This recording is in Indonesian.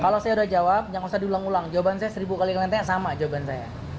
kalau saya udah jawab jangan usah diulang ulang jawaban saya seribu kali kalian tanya sama jawaban saya